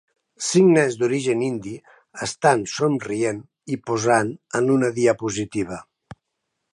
Cinc nens d'origen indi estan somrient i posant en una diapositiva.